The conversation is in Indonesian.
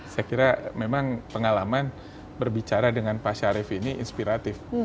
saya kira memang pengalaman berbicara dengan pak syarif ini inspiratif